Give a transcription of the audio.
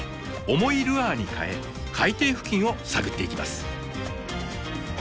重いルアーに変え海底付近を探っていきます。